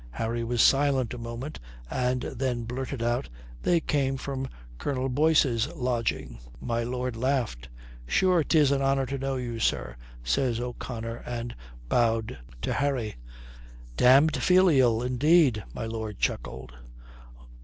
Harry was silent a moment and then blurted out: "They came from Colonel Boyce's lodging." My lord laughed. "Sure, 'tis an honour to know you, sir," says O'Connor, and bowed to Harry. "Damned filial, indeed," my lord chuckled.